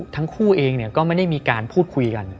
ทั้งคู่เองก็ไม่ได้มีการพูดคุยกัน